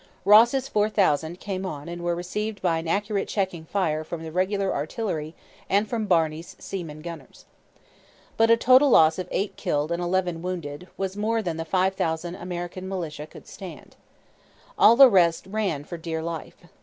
Ross's four thousand came on and were received by an accurate checking fire from the regular artillery and from Barney's seamen gunners. But a total loss of 8 killed and 11 wounded was more than the 5,000 American militia could stand. All the rest ran for dear life.